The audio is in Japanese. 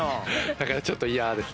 だからちょっと嫌です。